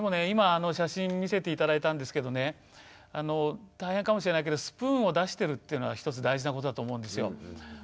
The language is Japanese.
今写真見せて頂いたんですけどね大変かもしれないけどスプーンをだしてるっていうのはひとつ大事なことだと思うんですよ。